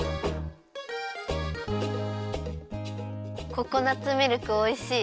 ココナツミルクおいしい。